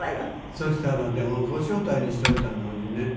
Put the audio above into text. そしたらご招待にしといたのにね